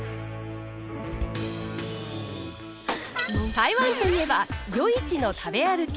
台湾といえば夜市の食べ歩き。